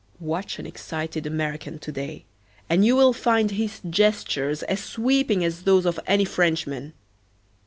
Watch an excited American to day and you will find his gestures as sweeping as those of any Frenchman.